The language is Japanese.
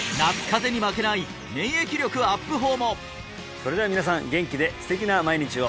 それでは皆さん元気で素敵な毎日を！